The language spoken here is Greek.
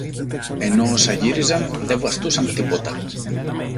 ενώ όσα γύριζαν δε βαστούσαν τίποτα.